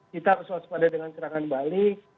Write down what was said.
kita harus waspada dengan serangan balik